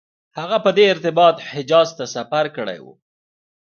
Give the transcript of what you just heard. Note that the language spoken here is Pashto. هغه په دې ارتباط حجاز ته سفر کړی و.